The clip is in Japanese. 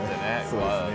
そうですね。